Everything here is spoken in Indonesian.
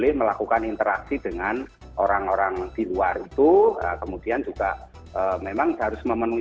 jadi harus melakukan interaksi dengan orang orang di luar itu kemudian juga memang harus memenuhi